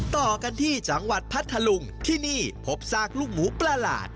ต่อกันที่จังหวัดพัทธลุงที่นี่พบซากลูกหมูประหลาด